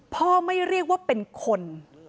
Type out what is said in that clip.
พ่อไม่เรียกว่าเป็นคน